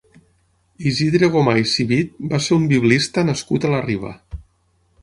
Isidre Gomà i Civit va ser un biblista nascut a la Riba.